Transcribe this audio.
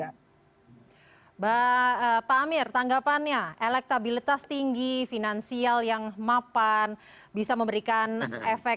pak amir tanggapannya elektabilitas tinggi finansial yang mapan bisa memberikan efek